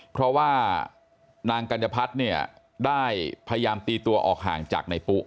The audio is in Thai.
เพราะว่านางกัญญพัฒน์เนี่ยได้พยายามตีตัวออกห่างจากในปุ๊